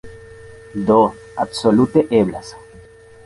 Do, absolute eblas.